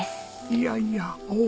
いやいやおお！